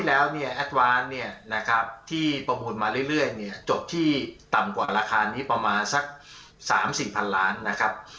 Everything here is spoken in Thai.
แอดวานที่ประมูลมาเรื่อยจบที่ต่ำกว่าราคานี้ประมาณสัก๓๐๐๐๐ล้านนะครับ